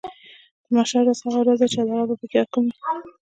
د محشر ورځ هغه ورځ ده چې عدالت به پکې حاکم وي .